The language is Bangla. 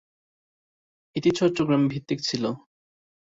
এটি চট্টগ্রাম ভিত্তিক ছিল।